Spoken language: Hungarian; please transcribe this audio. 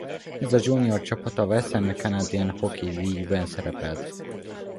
Ez a junior csapat a Western Canadian Hockey League-ben szerepelt.